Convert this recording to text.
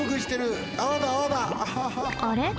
あれ？